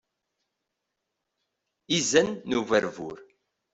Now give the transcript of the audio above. Izan n uberbur.